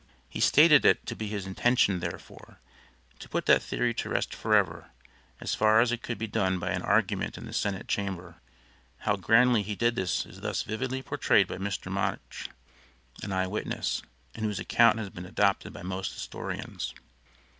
He stated it to be his intention therefore to put that theory to rest forever, as far as it could be done by an argument in the senate chamber. How grandly he did this is thus vividly portrayed by Mr. March, an eye witness, and whose account has been adopted by most historians.